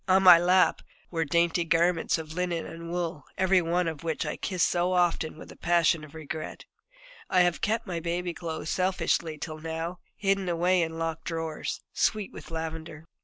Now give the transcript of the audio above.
On my lap there were dainty garments of linen and wool, every one of which I kissed so often with a passion of regret. I have kept my baby clothes selfishly till now, hidden away in locked drawers, sweet with lavender.